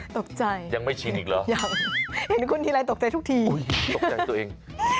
ตกใจยังไม่ชินอีกเหรอยังเห็นคุณทีไรตกใจทุกทีตกใจตัวเอง